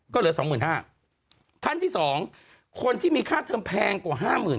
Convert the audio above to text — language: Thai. ก็เหลือสองหมื่นห้าท่านที่สองคนที่มีค่าเทอมแพงกว่าห้าหมื่น